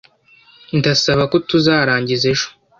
Ndasaba ko tuzarangiza ejo.